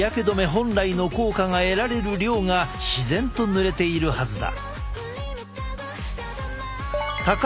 本来の効果が得られる量が自然と塗れているはずだ。